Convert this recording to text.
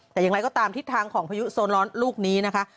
แต่อย่างไรก็ตามทิศทางของพายุโซร้อนลูกนี้นะคะ